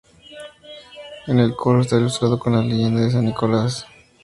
En el coro está ilustrado con la leyenda de San Nicolás.